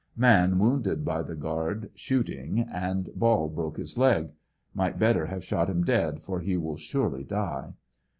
Man wounded by the guard shooting, and ball broke his leg. Might better have shot him dead for he will surely die.